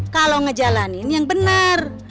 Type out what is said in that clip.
kalau ngejalanin yang bener